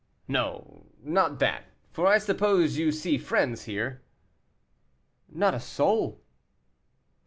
"No, not that, for I suppose you see friends here." "Not a soul."